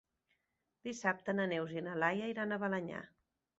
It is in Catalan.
Dissabte na Neus i na Laia iran a Balenyà.